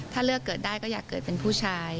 ถ้าเลือกเกิดได้ก็อยากเกิดเป็นผู้ชาย